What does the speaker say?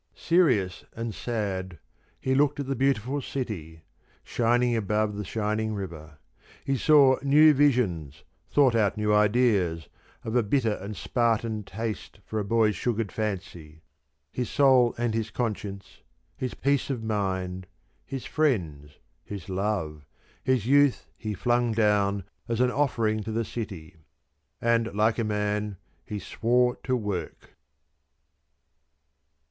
Serious and sad, he looked at the beautiful city, shining above the shining river. He saw new visions, thought out new ideas, of a bitter and Spartan taste for a boy's sugared fancy. His soul and his conscience, his peace of mind, his friends, his love, his youth he flung down as an offering to the city. And like a man, he swore to work.